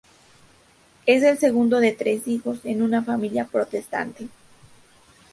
Es el segundo de tres hijos en una familia protestante.